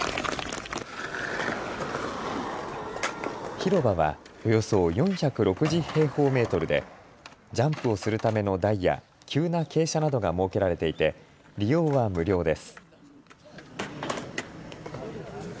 広場はおよそ４６０平方メートルでジャンプをするための台や急な傾斜などが設けられていて利用は無料です。